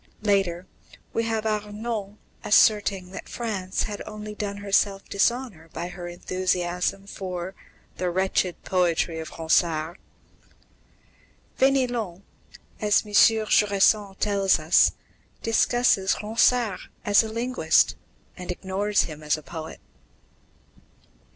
Later, we have Arnauld asserting that France had only done herself dishonour by her enthusiasm for "the wretched poetry of Ronsard." Fénelon, as M. Jusserand tells us, discusses Ronsard as a linguist, and ignores him as a poet.